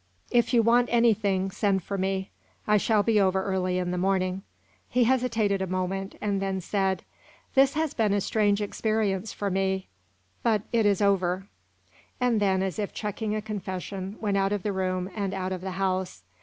"If you want anything, send for me. I shall be over early in the morning." He hesitated a moment, and then said: "This has been a strange experience for me; but it is over " And then, as if checking a confession, went out of the room and out of the house.